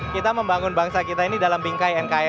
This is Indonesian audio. kita membangun bangsa kita ini dalam bingkai nkri